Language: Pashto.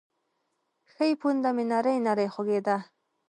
ښۍ پونده مې نرۍ نرۍ خوږېده.